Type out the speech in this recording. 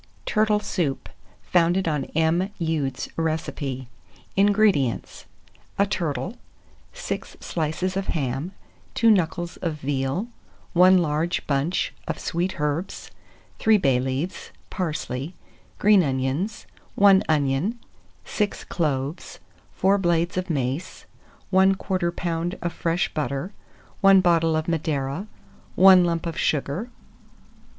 TURTLE SOUP (founded on M. Ude's Recipe). 189. INGREDIENTS. A turtle, 6 slices of ham, 2 knuckles of veal, 1 large bunch of sweet herbs, 3 bay leaves, parsley, green onions, 1 onion, 6 cloves, 4 blades of mace, 1/4 lb. of fresh butter, 1 bottle of Madeira, 1 lump of sugar.